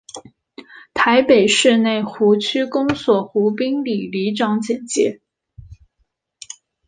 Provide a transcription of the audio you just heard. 台北市内湖区公所湖滨里里长简介